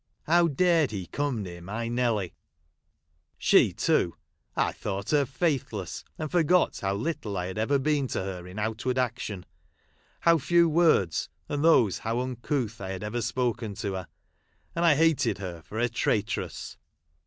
How dared he come near my Nelly 1 She too, — I thought her faithless, and forgot how little I had ever been to her in outward action ; ho\v few words, and those how un couth, I had ever spoken to her ; and I hated her for a traitress.